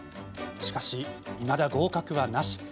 しかし、いまだ合格はなし。